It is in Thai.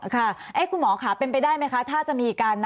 ค่ะคุณหมอค่ะเป็นไปได้ไหมคะถ้าจะมีการ